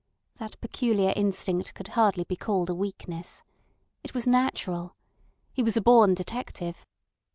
That peculiar instinct could hardly be called a weakness. It was natural. He was a born detective.